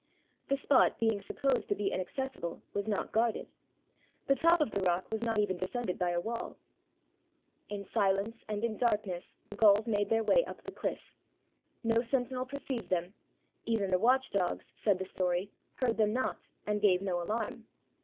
The spot, being supposed to be inaccessible, was not guarded ; the top of the rock was not even defended 321 ROME by a wall. In silence and in darkness the Gauls made their way up the cHflf; no sentinel perceived them; even the watchdogs, said the story, heard them not, and gave no alarm.